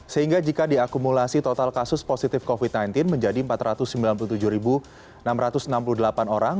sehingga jika diakumulasi total kasus positif covid sembilan belas menjadi empat ratus sembilan puluh tujuh enam ratus enam puluh delapan orang